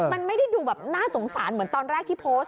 มันไม่ได้ดูแบบน่าสงสารเหมือนตอนแรกที่โพสต์